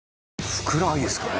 ふくらはぎですかね。